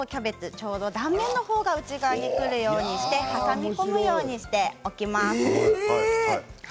ちょうど断面が内側にくるようにして挟み込むように置きます。